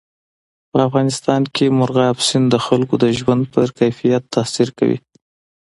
په افغانستان کې مورغاب سیند د خلکو د ژوند په کیفیت تاثیر کوي.